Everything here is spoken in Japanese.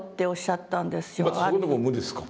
またそこでも無ですか？